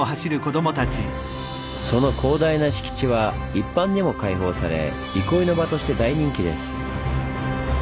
その広大な敷地は一般にも開放され憩いの場として大人気です。